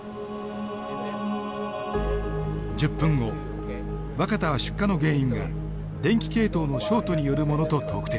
１０分後若田は出火の原因が電気系統のショートによるものと特定。